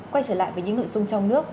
quay trở lại với những nội dung trong nước